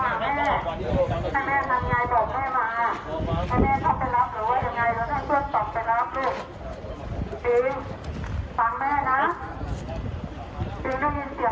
เอาเรียนเสียงไอ้ดูด่อยอ่ะ